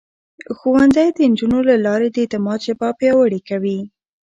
ښوونځی د نجونو له لارې د اعتماد ژبه پياوړې کوي.